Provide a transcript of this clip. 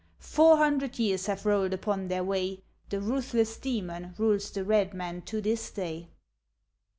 Four hundred years have rolled upon their way The ruthless demon rules the red man to this day.